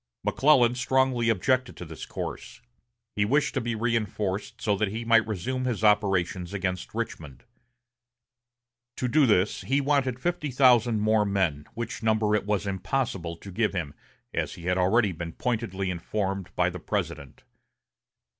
McClellan strongly objected to this course. He wished to be reinforced so that he might resume his operations against Richmond. To do this he wanted fifty thousand more men, which number it was impossible to give him, as he had already been pointedly informed by the President.